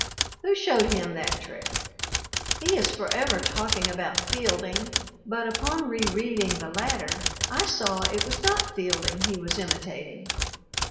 Who showed him that trick? He is forever talking about Fielding, but upon re reading the latter I saw it was not Fielding he was imitating.